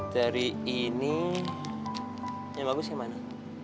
dari ini yang bagus yang mana